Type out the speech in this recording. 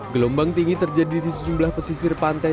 gelombang tinggi terjadi di sejumlah pesisir pantai